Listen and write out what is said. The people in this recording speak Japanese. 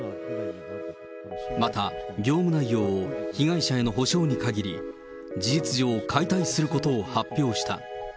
また、業務内容を被害者への補償に限り、事実上、解体することを発表した。